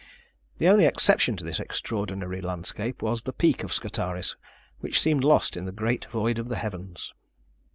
The only exception to this extraordinary landscape, was the Peak of Scartaris, which seemed lost in the great void of the heavens.